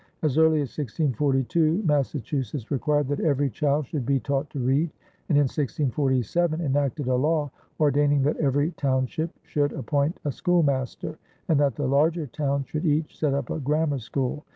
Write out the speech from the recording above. As early as 1642, Massachusetts required that every child should be taught to read, and in 1647 enacted a law ordaining that every township should appoint a schoolmaster, and that the larger towns should each set up a grammar school.